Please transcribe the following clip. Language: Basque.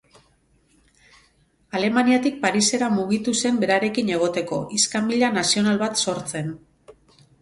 Alemaniatik Parisera mugitu zen berarekin egoteko, iskanbila nazional bat sortzen.